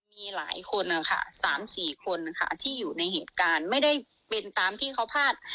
มีหลายคนนะคะ๓๔คนค่ะที่อยู่ในเหตุการณ์ไม่ได้เป็นตามที่เขาพลาด